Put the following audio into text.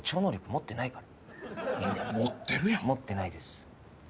持ってないから。